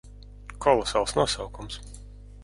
Kolosāls nosaukums.